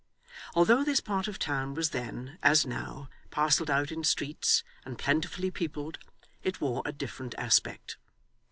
Although this part of town was then, as now, parcelled out in streets, and plentifully peopled, it wore a different aspect.